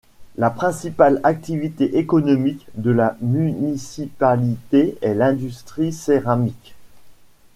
La principale activité économique de la municipalité est l'industrie céramique.